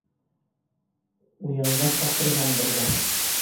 Уянғас таптырғандыр ҙа.